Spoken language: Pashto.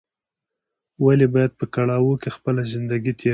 ولې باید په کړاوو کې خپله زندګي تېره کړې